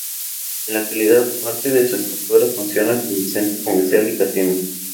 En la actualidad parte de su estructura funciona como centro comercial y casino.